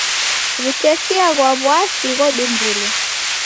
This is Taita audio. W'utesia ghwa w'aasi ghodumbulwa.